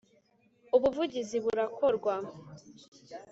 Ubuvugizi burakorwa.